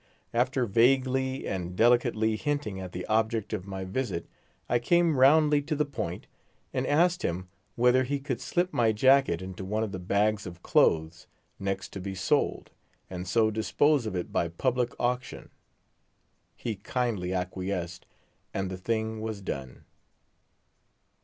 After vaguely and delicately hinting at the object of my visit, I came roundly to the point, and asked him whether he could slip my jacket into one of the bags of clothes next to be sold, and so dispose of it by public auction. He kindly acquiesced and the thing was done.